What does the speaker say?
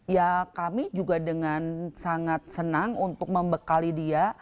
ya kami juga dengan sangat senang untuk membekali dia